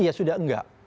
iya sudah enggak